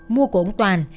mua của ông toàn